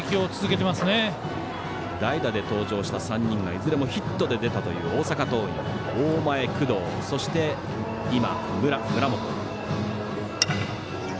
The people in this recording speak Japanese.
代打で登場した３人がいずれもヒットで出た大阪桐蔭、大前、工藤そして今、村本。